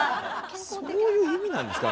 そういう意味なんですか？